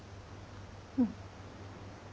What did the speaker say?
うん。